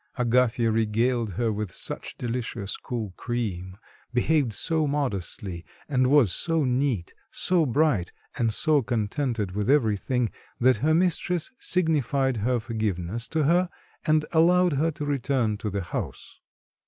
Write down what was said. Agafya regaled her with such delicious cool cream, behaved so modestly, and was so neat, so bright, and so contented with everything that her mistress signified her forgiveness to her and allowed her to return to the house.